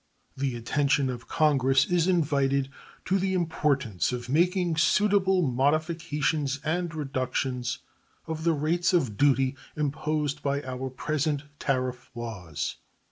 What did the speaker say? The attention of Congress is invited to the importance of making suitable modifications and reductions of the rates of duty imposed by our present tariff laws.